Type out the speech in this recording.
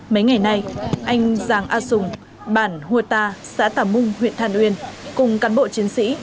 mấy ngày nay anh giàng a sùng bản hùa ta xã tà mung huyện than uyên cùng cán bộ chiến sĩ